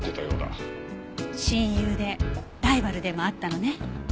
親友でライバルでもあったのね。